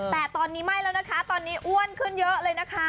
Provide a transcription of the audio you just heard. แต่ตอนนี้ไม่แล้วนะคะตอนนี้อ้วนขึ้นเยอะเลยนะคะ